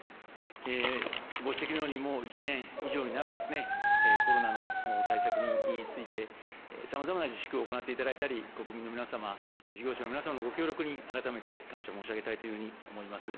ご指摘のように、もう１年以上になるですね、コロナの対策について、さまざまな自粛を行っていただいたり、国民の皆様、そして事業者の皆様のご協力に改めて感謝申し上げたいというふうに思います。